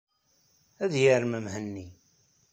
Ad yarem Mhenni.